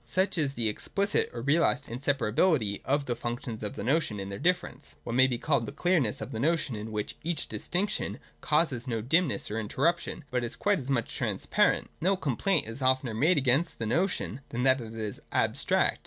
Such is the explicit or realised inseparability of the functions of the notion in their difference (§ 160) — what may be called the clearness of the notion, in which each distinction causes no dimness or interruption, but is quite as much transparent. No complaint is oftener made against the notion than that it is abstract.